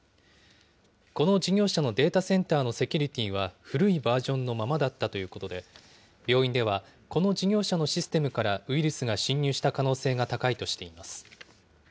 この事業者のデータセンターのセキュリティーは古いバージョンのままだったということで、病院ではこの事業者のシステムからウイルスが侵入した可能性が高いとしています。